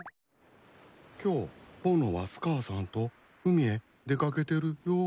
今日ぼのはスカーさんと海へ出掛けてるよ。